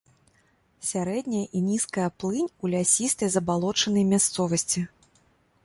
Сярэдняя і нізкая плынь ў лясістай забалочанай мясцовасці.